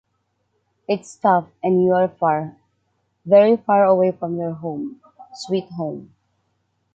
it’s tough and you are far, very far away from your home sweet home